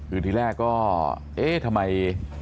อืมที่แรกก็นี่ทำไม